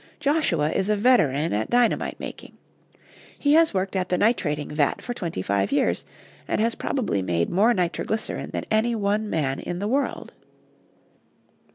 Joshua is a veteran at dynamite making. He has worked at the nitrating vat for twenty five years, and has probably made more nitroglycerin than any one man in the world.